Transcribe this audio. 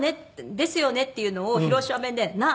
「ですよね」っていうのを広島弁で「なあ？」